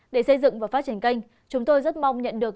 để xây dựng và phát triển kênh chúng tôi rất mong nhận được